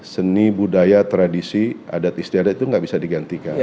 seni budaya tradisi adat istiadat itu nggak bisa digantikan